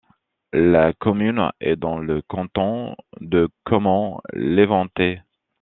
La commune est dans le canton de Caumont-l'Éventé.